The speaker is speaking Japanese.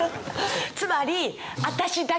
つまり。